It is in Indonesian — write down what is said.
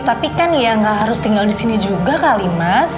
tapi kan ya gak harus tinggal disini juga kali mas